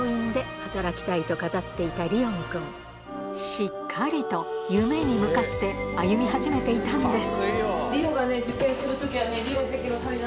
しっかりと夢に向かって歩み始めていたんです